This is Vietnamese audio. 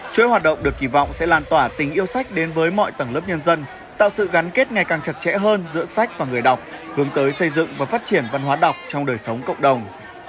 chuỗi hoạt động được kỳ vọng sẽ lan tỏa tình yêu sách đến với mọi tầng lớp nhân dân tạo sự gắn kết ngày càng chặt chẽ hơn giữa sách và người đọc hướng tới xây dựng và phát triển văn hóa đọc trong đời sống cộng đồng